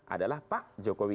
adalah pak jokowi